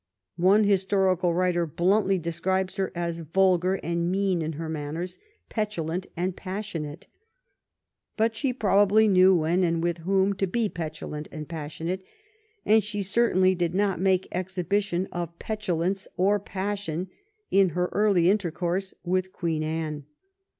One historical writer bluntly describes her as ^' vulgar and mean in her manners, petulant and passionate." But she probably knew when and with whom to be petulant and passionate, and she certainly did not make exhibition of petulance or passion in her early intercourse with Queen Anne.